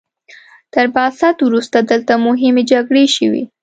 تر بعثت وروسته دلته مهمې جګړې شوي.